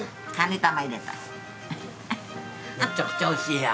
めちゃくちゃおいしいや。